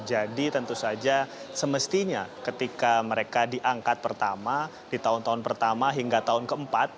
jadi tentu saja semestinya ketika mereka diangkat pertama di tahun tahun pertama hingga tahun keempat